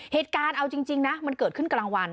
เหตุการณ์เอาจริงนะมันเกิดขึ้นกลางวัน